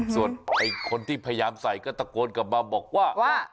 ส่วนคนที่พยายามใส่ก็ตะโกนกลับมาบอกว่า